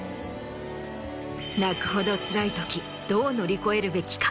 泣くほどつらいときどう乗り越えるべきか？